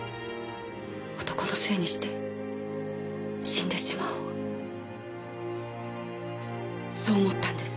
男のせいにして死んでしまおうそう思ったんです。